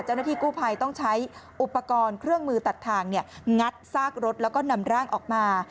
เจ้าหน้าที่กู้ภัยต้องใช้อุปกรณ์เครื่องมือตัดทางงัดซากรถแล้วก็นำร่างออกมา